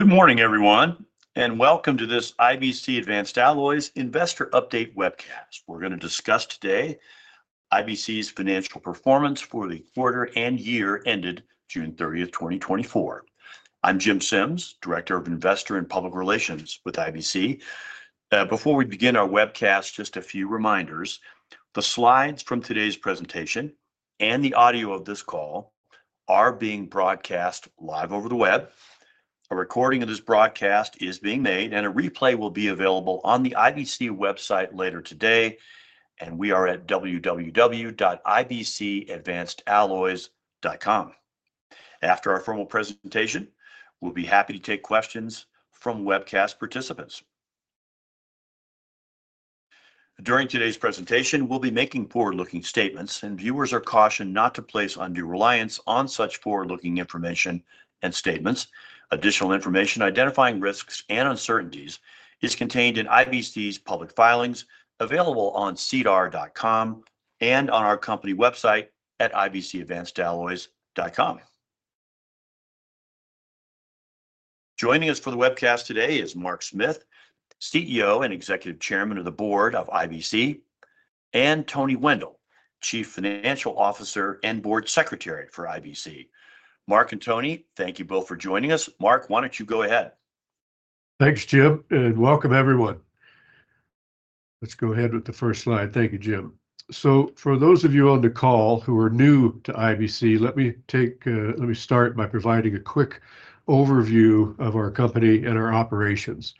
Good morning, everyone, and welcome to this IBC Advanced Alloys Investor Update webcast. We're gonna discuss today IBC's financial performance for the quarter and year ended June 13th, 2024. I'm Jim Sims, Director of Investor and Public Relations with IBC. Before we begin our webcast, just a few reminders. The slides from today's presentation and the audio of this call are being broadcast live over the web. A recording of this broadcast is being made, and a replay will be available on the IBC website later today, and we are at www.ibcadvancedalloys.com. After our formal presentation, we'll be happy to take questions from webcast participants. During today's presentation, we'll be making forward-looking statements, and viewers are cautioned not to place undue reliance on such forward-looking information and statements. Additional information identifying risks and uncertainties is contained in IBC's public filings, available on sedar.com and on our company website at ibcadvancedalloys.com. Joining us for the webcast today is Mark Smith, CEO and Executive Chairman of the Board of IBC, and Tony Wendel, Chief Financial Officer and Board Secretary for IBC. Mark and Tony, thank you both for joining us. Mark, why don't you go ahead? Thanks, Jim, and welcome everyone. Let's go ahead with the first slide. Thank you, Jim. So for those of you on the call who are new to IBC, let me start by providing a quick overview of our company and our operations.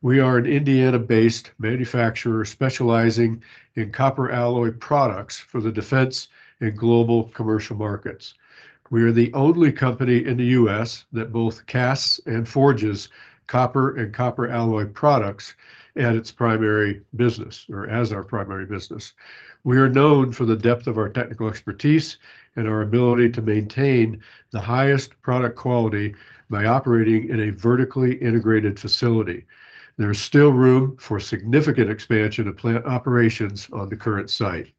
We are an Indiana-based manufacturer specializing in copper alloy products for the defense and global commercial markets. We are the only company in the U.S. that both casts and forges copper and copper alloy products at its primary business or as our primary business. We are known for the depth of our technical expertise and our ability to maintain the highest product quality by operating in a vertically integrated facility. There is still room for significant expansion of plant operations on the current site.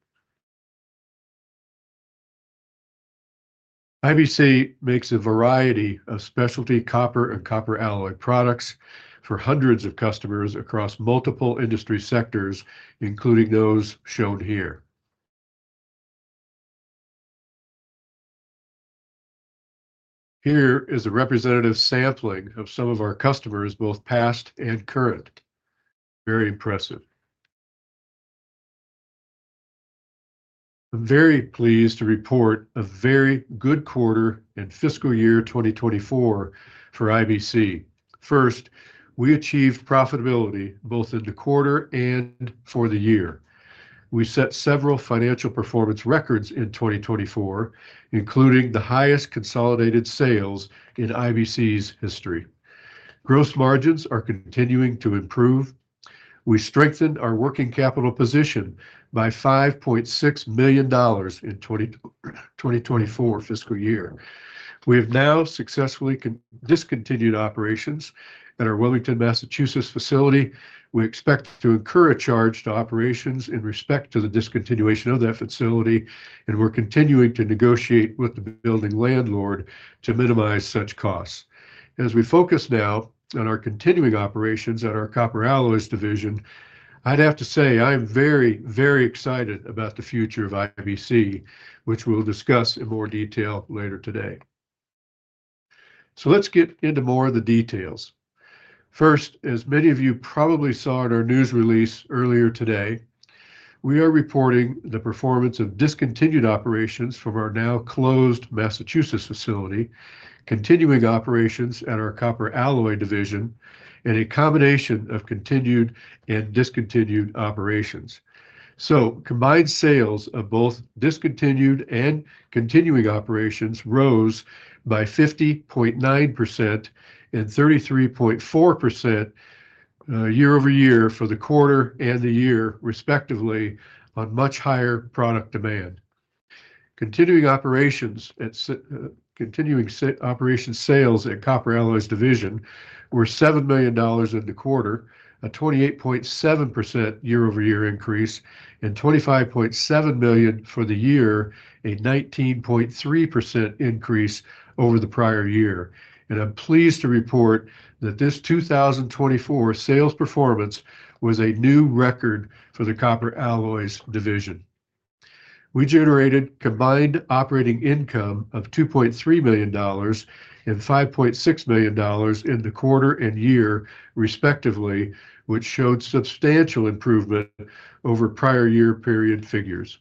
IBC makes a variety of specialty copper and copper alloy products for hundreds of customers across multiple industry sectors, including those shown here. Here is a representative sampling of some of our customers, both past and current. Very impressive. I'm very pleased to report a very good quarter and fiscal year 2024 for IBC. First, we achieved profitability both in the quarter and for the year. We set several financial performance records in 2024, including the highest consolidated sales in IBC's history. Gross margins are continuing to improve. We strengthened our working capital position by $5.6 million in 2024 fiscal year. We have now successfully discontinued operations at our Wilmington, Massachusetts, facility. We expect to incur a charge to operations in respect to the discontinuation of that facility, and we're continuing to negotiate with the building landlord to minimize such costs. As we focus now on our continuing operations at our Copper Alloys Division, I'd have to say I'm very, very excited about the future of IBC, which we'll discuss in more detail later today. So let's get into more of the details. First, as many of you probably saw in our news release earlier today, we are reporting the performance of discontinued operations from our now closed Massachusetts facility, continuing operations at our Copper Alloys Division, and a combination of continued and discontinued operations. So combined sales of both discontinued and continuing operations rose by 50.9% and 33.4% year over year for the quarter and the year respectively, on much higher product demand. Continuing operations sales at Copper Alloys Division were $7 million in the quarter, a 28.7% year-over-year increase, and $25.7 million for the year, a 19.3% increase over the prior year. I'm pleased to report that this 2024 sales performance was a new record for the Copper Alloys Division. We generated combined operating income of $2.3 million and $5.6 million in the quarter and year, respectively, which showed substantial improvement over prior year period figures.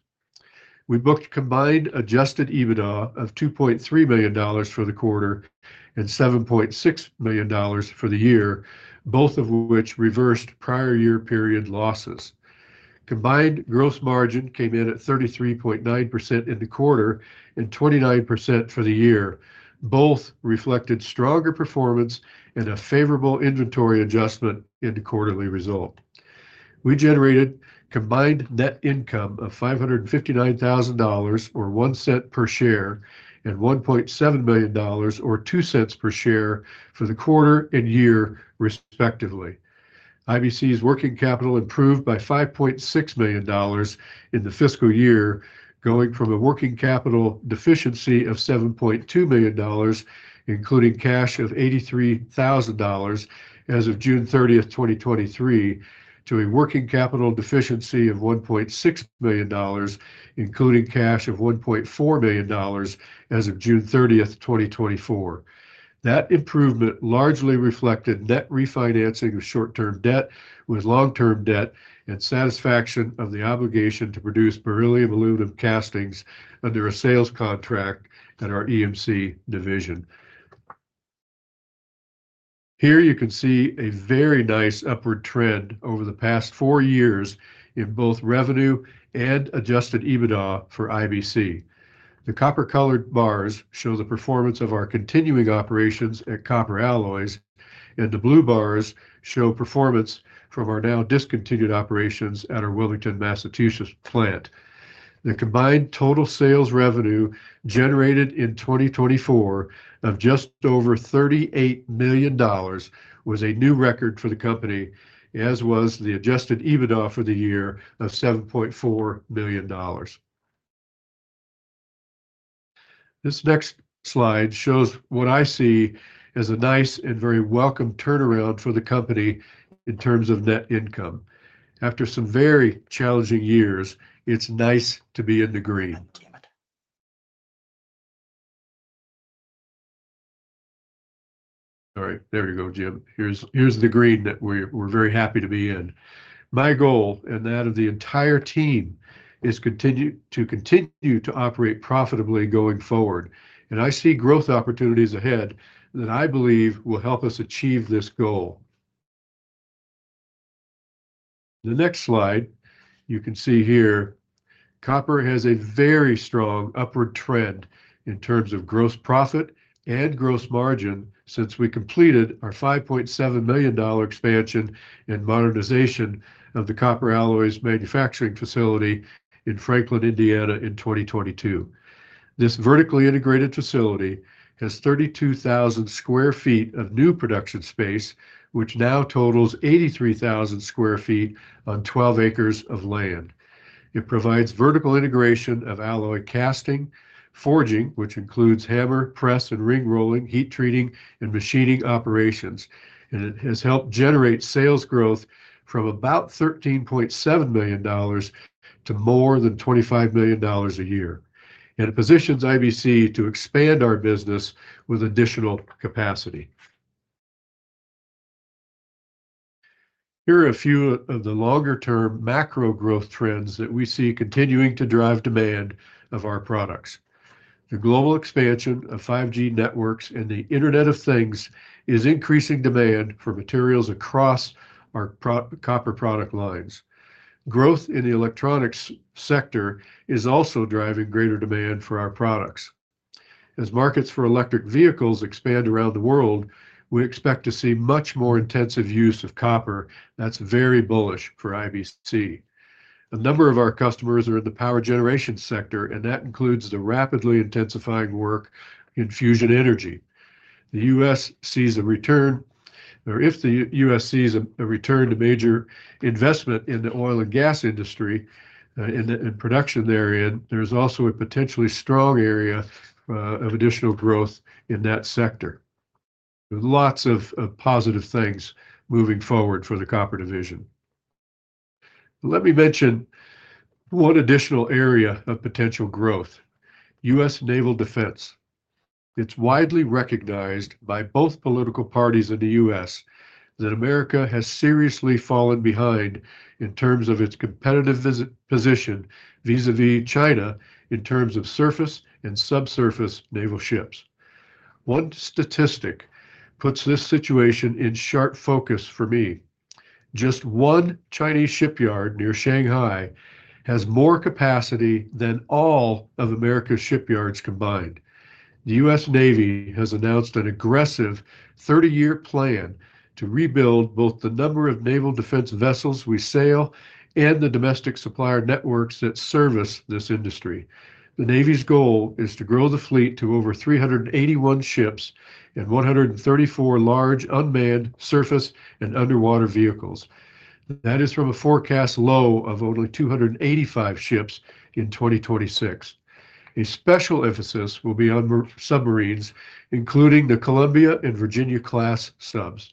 We booked combined Adjusted EBITDA of $2.3 million for the quarter and $7.6 million for the year, both of which reversed prior year period losses. Combined gross margin came in at 33.9% in the quarter and 29% for the year. Both reflected stronger performance and a favorable inventory adjustment in the quarterly result. We generated combined net income of $559,000, or $0.01 per share, and $1.7 million, or $0.02 per share, for the quarter and year, respectively. IBC's working capital improved by $5.6 million in the fiscal year, going from a working capital deficiency of $7.2 million, including cash of $83,000 as of June 13th, 2023, to a working capital deficiency of $1.6 million, including cash of $1.4 million as of June 13th, 2024. That improvement largely reflected net refinancing of short-term debt with long-term debt and satisfaction of the obligation to produce beryllium aluminum castings under a sales contract at our EMC division. Here you can see a very nice upward trend over the past four years in both revenue and Adjusted EBITDA for IBC. The copper-colored bars show the performance of our continuing operations at Copper Alloys, and the blue bars show performance from our now-discontinued operations at our Wilmington, Massachusetts plant. The combined total sales revenue generated in 2024 of just over $38 million was a new record for the company, as was the Adjusted EBITDA for the year of $7.4 million. This next slide shows what I see as a nice and very welcome turnaround for the company in terms of net income. After some very challenging years, it's nice to be in the green. All right, there you go, Jim. Here's the green that we're very happy to be in. My goal, and that of the entire team, is to continue to operate profitably going forward, and I see growth opportunities ahead that I believe will help us achieve this goal. The next slide, you can see here, copper has a very strong upward trend in terms of gross profit and gross margin since we completed our $5.7 million expansion and modernization of the Copper Alloys manufacturing facility in Franklin, Indiana, in 2022. This vertically integrated facility has 32,000 sq ft of new production space, which now totals 83,000 sq ft on 12 acres of land. It provides vertical integration of alloy casting, forging, which includes hammer, press, and ring rolling, heat treating, and machining operations, and it has helped generate sales growth from about $13.7 million to more than $25 million a year, and it positions IBC to expand our business with additional capacity. Here are a few of the longer-term macro growth trends that we see continuing to drive demand of our products. The global expansion of 5G networks and the Internet of Things is increasing demand for materials across our pro-copper product lines. Growth in the electronics sector is also driving greater demand for our products. As markets for electric vehicles expand around the world, we expect to see much more intensive use of copper. That's very bullish for IBC. A number of our customers are in the power generation sector, and that includes the rapidly intensifying work in fusion energy. The U.S. sees a return. Or if the U.S. sees a return to major investment in the oil and gas industry, in the production area, there's also a potentially strong area of additional growth in that sector. Lots of positive things moving forward for the copper division. Let me mention one additional area of potential growth: U.S. naval defense. It's widely recognized by both political parties in the U.S. that America has seriously fallen behind in terms of its competitive position, vis-à-vis China, in terms of surface and subsurface naval ships. One statistic puts this situation in sharp focus for me. Just one Chinese shipyard near Shanghai has more capacity than all of America's shipyards combined. The U.S. Navy has announced an aggressive thirty-year plan to rebuild both the number of naval defense vessels we sail and the domestic supplier networks that service this industry. The Navy's goal is to grow the fleet to over 381 ships and 134 large unmanned surface and underwater vehicles. That is from a forecast low of only 285 ships in 2026. A special emphasis will be on submarines, including the Columbia-class and Virginia-class subs.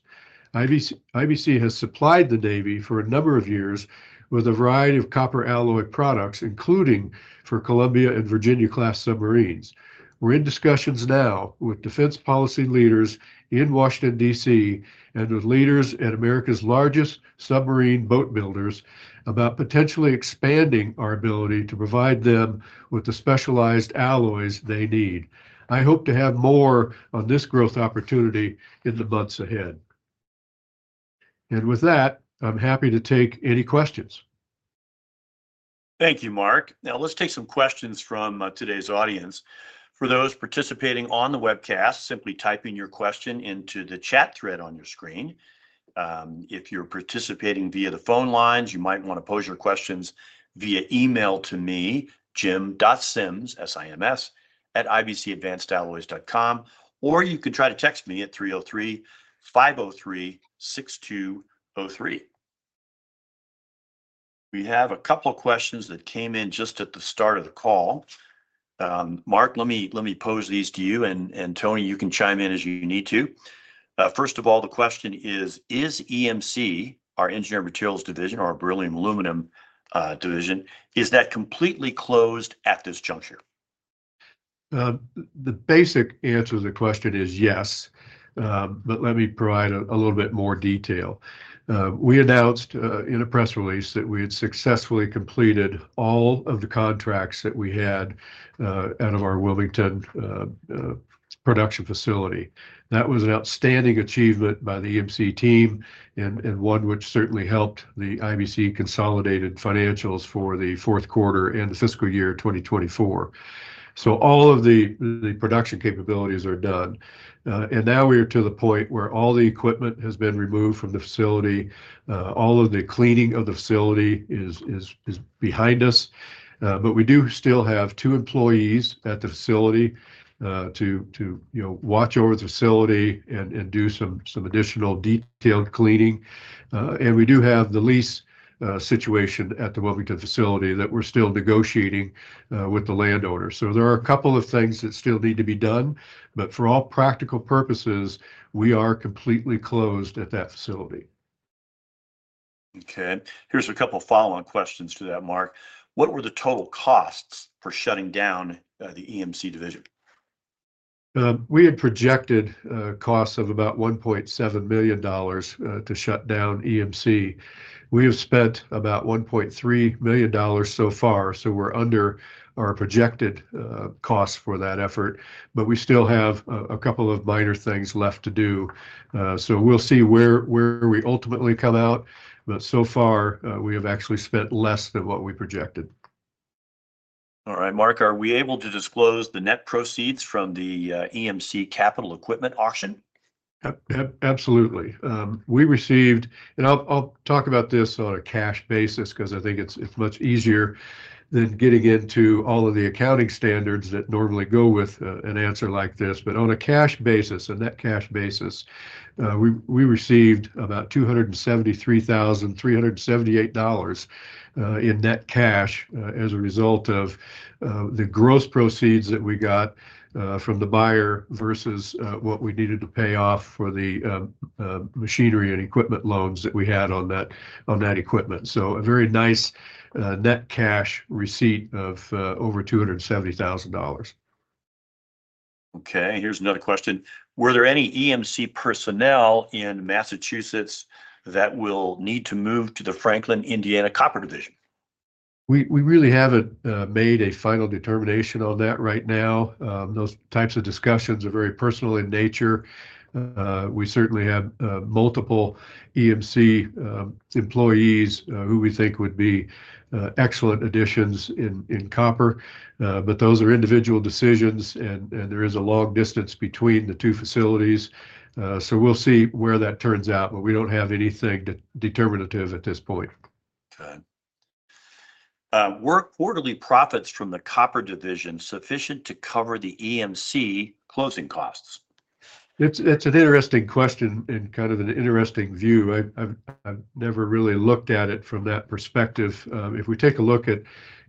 IBC has supplied the Navy for a number of years with a variety of copper alloy products, including for Columbia-class and Virginia-class submarines. We're in discussions now with defense policy leaders in Washington, D.C., and with leaders at America's largest submarine boat builders about potentially expanding our ability to provide them with the specialized alloys they need. I hope to have more on this growth opportunity in the months ahead, and with that, I'm happy to take any questions. Thank you, Mark. Now, let's take some questions from today's audience. For those participating on the webcast, simply type in your question into the chat thread on your screen. If you're participating via the phone lines, you might want to pose your questions via email to me, jim.sims, S-I-M-S, @ibcadvancedalloys.com, or you can try to text me at 303-503-6203. We have a couple of questions that came in just at the start of the call. Mark, let me pose these to you, and Tony, you can chime in as you need to. First of all, the question is: Is EMC, our Engineered Materials Division, our beryllium-aluminum division, is that completely closed at this juncture? The basic answer to the question is yes. But let me provide a little bit more detail. We announced in a press release that we had successfully completed all of the contracts that we had out of our Wilmington production facility. That was an outstanding achievement by the EMC team, and one which certainly helped the IBC consolidated financials for the fourth quarter and the fiscal year 2024. So all of the production capabilities are done. And now we're to the point where all the equipment has been removed from the facility, all of the cleaning of the facility is behind us. But we do still have two employees at the facility to you know watch over the facility and do some additional detailed cleaning. and we do have the lease situation at the Wilmington facility that we're still negotiating with the landowner. So there are a couple of things that still need to be done, but for all practical purposes, we are completely closed at that facility. Okay. Here's a couple follow-on questions to that, Mark. What were the total costs for shutting down the EMC division? We had projected costs of about $1.7 million to shut down EMC. We have spent about $1.3 million so far, so we're under our projected costs for that effort, but we still have a couple of minor things left to do, so we'll see where we ultimately come out, but so far, we have actually spent less than what we projected. All right, Mark, are we able to disclose the net proceeds from the EMC capital equipment auction? Absolutely. We received. I'll talk about this on a cash basis, 'cause I think it's much easier than getting into all of the accounting standards that normally go with an answer like this. But on a cash basis, a net cash basis, we received about $273,378 in net cash as a result of the gross proceeds that we got from the buyer versus what we needed to pay off for the machinery and equipment loans that we had on that equipment. So a very nice net cash receipt of over $270,000. Okay, here's another question. Were there any EMC personnel in Massachusetts that will need to move to the Franklin, Indiana Copper Division? We really haven't made a final determination on that right now. Those types of discussions are very personal in nature. We certainly have multiple EMC employees who we think would be excellent additions in Copper, but those are individual decisions, and there is a long distance between the two facilities. So we'll see where that turns out, but we don't have anything determinative at this point. Okay. Were quarterly profits from the Copper Division sufficient to cover the EMC closing costs? It's an interesting question and kind of an interesting view. I've never really looked at it from that perspective. If we take a look at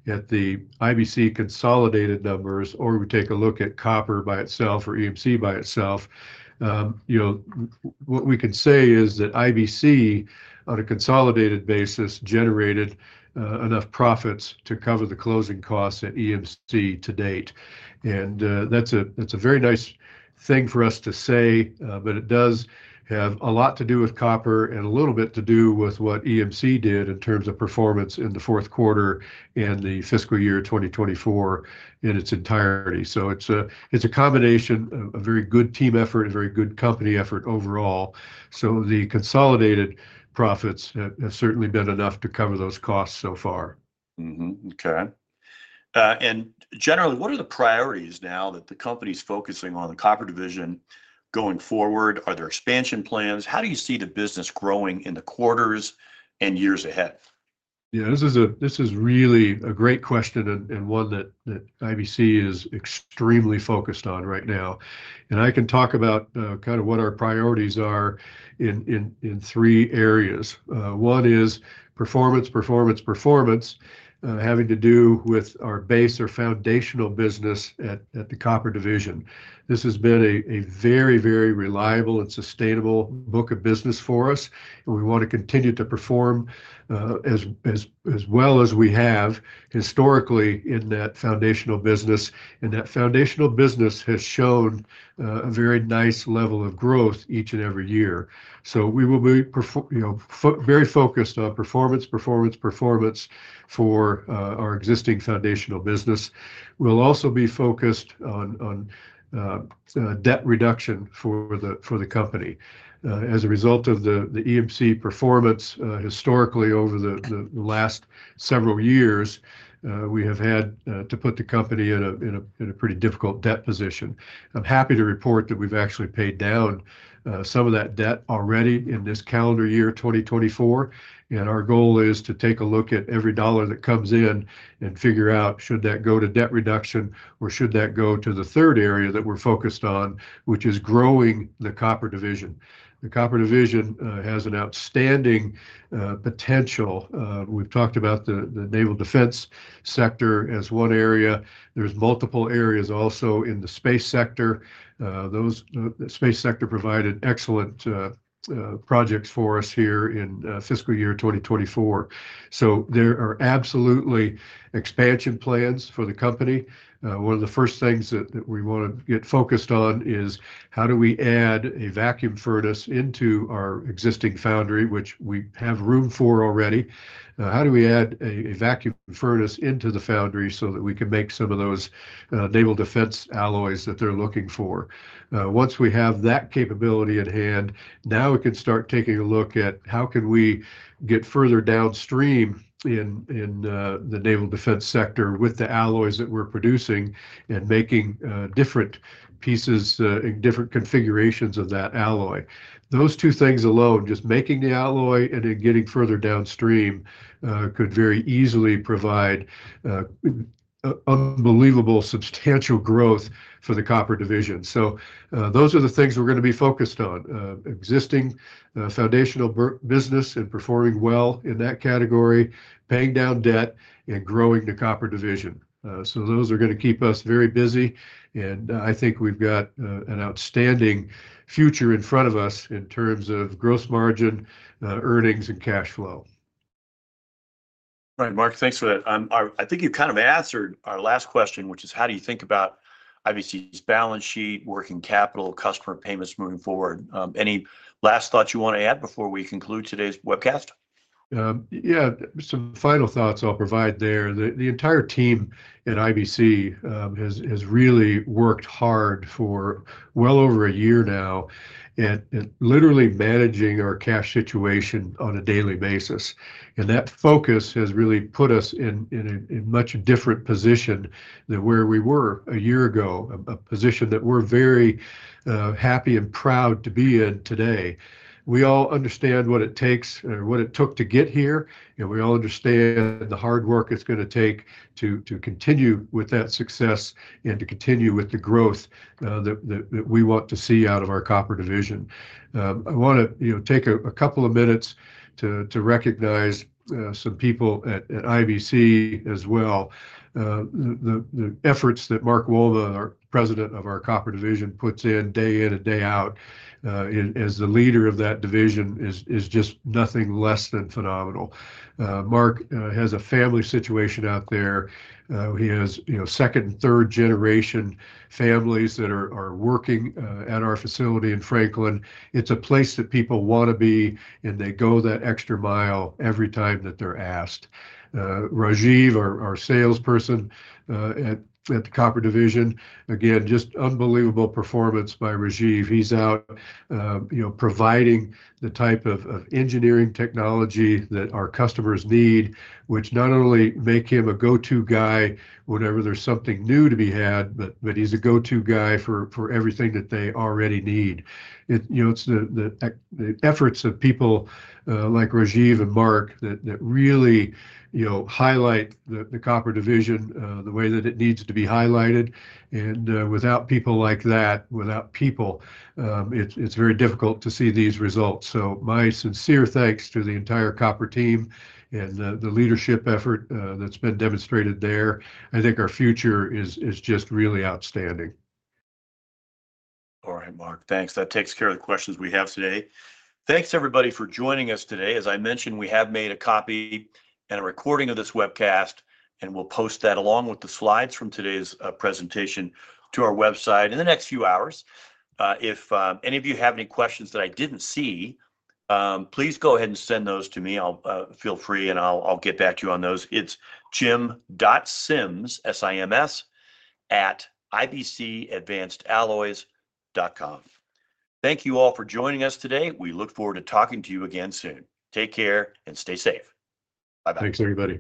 the IBC consolidated numbers, or we take a look at Copper by itself or EMC by itself, you know, what we can say is that IBC, on a consolidated basis, generated enough profits to cover the closing costs at EMC to date, and that's a very nice thing for us to say, but it does have a lot to do with Copper and a little bit to do with what EMC did in terms of performance in the fourth quarter and the fiscal year 2024 in its entirety, so it's a combination of very good team effort and very good company effort overall. The consolidated profits have certainly been enough to cover those costs so far. Mm-hmm. Okay. And generally, what are the priorities now that the company's focusing on the Copper Division going forward? Are there expansion plans? How do you see the business growing in the quarters and years ahead? Yeah, this is really a great question and one that IBC is extremely focused on right now. And I can talk about kind of what our priorities are in three areas. One is performance, performance, performance, having to do with our base or foundational business at the Copper Division. This has been a very, very reliable and sustainable book of business for us, and we want to continue to perform as well as we have historically in that foundational business. And that foundational business has shown a very nice level of growth each and every year. So we will be, you know, very focused on performance, performance, performance for our existing foundational business. We'll also be focused on debt reduction for the company. As a result of the EMC performance historically over the last several years, we have had to put the company in a pretty difficult debt position. I'm happy to report that we've actually paid down some of that debt already in this calendar year, 2024, and our goal is to take a look at every dollar that comes in and figure out, should that go to debt reduction, or should that go to the third area that we're focused on, which is growing the copper division? The copper division has an outstanding potential. We've talked about the naval defense sector as one area. There's multiple areas also in the space sector. Those, the space sector provided excellent projects for us here in fiscal year 2024. So there are absolutely expansion plans for the company. One of the first things that we want to get focused on is how do we add a vacuum furnace into our existing foundry, which we have room for already? How do we add a vacuum furnace into the foundry so that we can make some of those naval defense alloys that they're looking for? Once we have that capability at hand, now we can start taking a look at how can we get further downstream in the naval defense sector with the alloys that we're producing and making different pieces and different configurations of that alloy. Those two things alone, just making the alloy and then getting further downstream, could very easily provide unbelievable substantial growth for the copper division. So, those are the things we're gonna be focused on, existing foundational business and performing well in that category, paying down debt, and growing the copper division. So those are gonna keep us very busy, and I think we've got an outstanding future in front of us in terms of growth margin, earnings, and cash flow. All right, Mark, thanks for that. I think you kind of answered our last question, which is: how do you think about IBC's balance sheet, working capital, customer payments moving forward? Any last thoughts you want to add before we conclude today's webcast? Yeah, some final thoughts I'll provide there. The entire team at IBC has really worked hard for well over a year now at literally managing our cash situation on a daily basis, and that focus has really put us in a much different position than where we were a year ago, a position that we're very happy and proud to be in today. We all understand what it takes or what it took to get here, and we all understand the hard work it's gonna take to continue with that success and to continue with the growth that we want to see out of our copper division. I wanna, you know, take a couple of minutes to recognize some people at IBC as well. The efforts that Mark Wolma, our President of our Copper Division, puts in day in and day out, as the leader of that division is just nothing less than phenomenal. Mark has a family situation out there. He has, you know, second- and third-generation families that are working at our facility in Franklin. It's a place that people want to be, and they go that extra mile every time that they're asked. Rajiv, our salesperson at the Copper Division, again, just unbelievable performance by Rajiv. He's out, you know, providing the type of engineering technology that our customers need, which not only make him a go-to guy whenever there's something new to be had, but he's a go-to guy for everything that they already need. It... You know, it's the efforts of people like Rajiv and Mark that really, you know, highlight the copper division the way that it needs to be highlighted, and without people like that, without people, it's very difficult to see these results. So my sincere thanks to the entire copper team and the leadership effort that's been demonstrated there. I think our future is just really outstanding. All right, Mark, thanks. That takes care of the questions we have today. Thanks, everybody, for joining us today. As I mentioned, we have made a copy and a recording of this webcast, and we'll post that along with the slides from today's presentation to our website in the next few hours. If any of you have any questions that I didn't see, please go ahead and send those to me. Feel free, and I'll get back to you on those. It's jim.sims, S-I-M-S, @ibcadvancedalloys.com. Thank you all for joining us today. We look forward to talking to you again soon. Take care and stay safe. Bye-bye. Thanks, everybody.